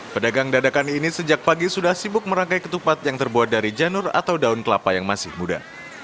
pedagang dadakan ini sejak pagi sudah sibuk merangkai ketupat yang terbuat dari janur atau daun kelapa yang masih muda